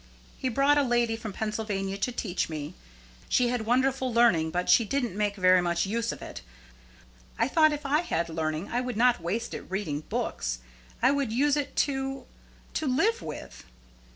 He brought a lady from Pennsylvania to teach me. She had wonderful learning, but she didn't make very much use of it. I thought if I had learning I would not waste it reading books. I would use it to to live with.